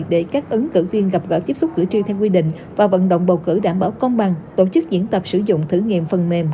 để các ứng cử viên gặp gỡ tiếp xúc cử tri theo quy định và vận động bầu cử đảm bảo công bằng tổ chức diễn tập sử dụng thử nghiệm phần mềm